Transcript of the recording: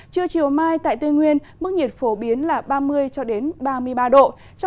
trưa chiều mai tại tây nguyên mức nhiệt phổ biến là ba mươi ba mươi ba độ